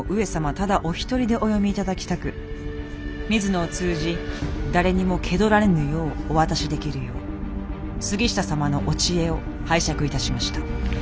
ただお一人でお読み頂きたく水野を通じ誰にも気取られぬようお渡しできるよう杉下様のお知恵を拝借いたしました。